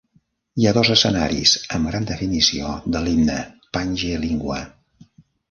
Hi ha dos escenaris amb gran definició de l'himne Pange lingua.